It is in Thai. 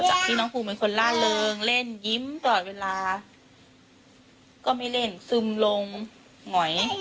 จากที่น้องภูมิเป็นคนล่าเริงเล่นยิ้มตลอดเวลาก็ไม่เล่นซึมลงหงอย